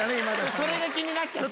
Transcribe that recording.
それが気になっちゃって。